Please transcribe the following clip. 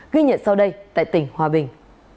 ghi nhận sau đây tại tỉnh hòa bình